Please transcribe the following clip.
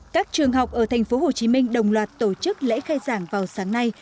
các trường học ở tp hcm đồng loạt tổ chức lễ khai giảng vào sáng nay